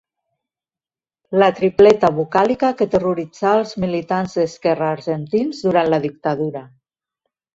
La tripleta vocàlica que terroritzà els militants d'esquerra argentins durant la dictadura.